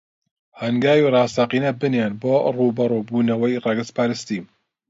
هەنگاوی ڕاستەقینە بنێن بۆ ڕووبەڕووبوونەوەی ڕەگەزپەرستی